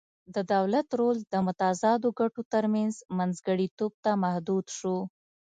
د دولت رول د متضادو ګټو ترمنځ منځګړیتوب ته محدود شو